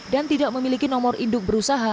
dan tidak memiliki nomor induk berusaha